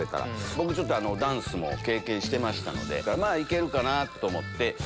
僕ダンスも経験してましたのでまぁいけるかなと思って。